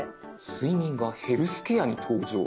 「『睡眠』が『ヘルスケア』に登場」。